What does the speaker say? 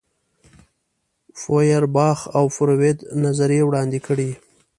فوئرباخ او فروید نظریې وړاندې کړې.